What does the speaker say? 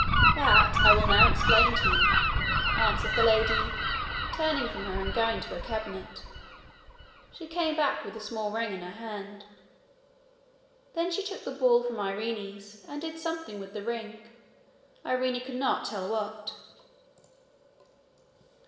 'That I will now explain to you,' answered the lady, turning from her and going to her cabinet. She came back with a small ring in her hand. Then she took the ball from Irene's, and did something with the ring Irene could not tell what.